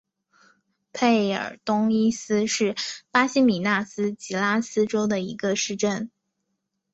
佩尔东伊斯是巴西米纳斯吉拉斯州的一个市镇。